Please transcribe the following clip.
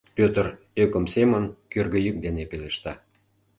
— Пӧтыр ӧкым семын кӧргӧ йӱк дене пелешта.